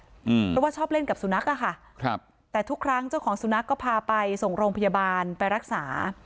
เพราะว่าชอบเล่นกับสุนัขอ่ะค่ะครับแต่ทุกครั้งเจ้าของสุนัขก็พาไปส่งโรงพยาบาลไปรักษา